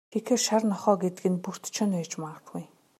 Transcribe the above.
Тэгэхээр, шар нохой гэдэг нь Бөртэ Чоно байж магадгүй.